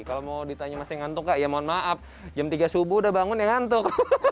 kalau mau ditanya masih ngantuk kak ya mohon maaf jam tiga subuh udah bangun ya ngantuk